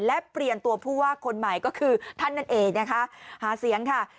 และเปลี่ยนตัวผู้ว่าคนใหม่ก็คือท่านนั่นเองนะคะหาเสียงค่ะ